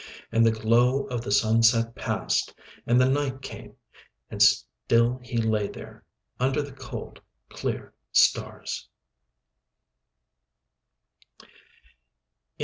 And the glow of the sunset passed, and the night came, and still he lay there, under the cold, clear stars.